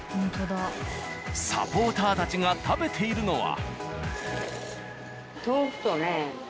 サポーターたちが食べているのは。